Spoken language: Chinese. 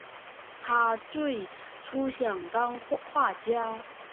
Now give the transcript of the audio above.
他最初想当画家。